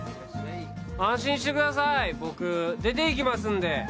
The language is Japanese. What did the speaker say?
安心してください、僕、出ていきますので。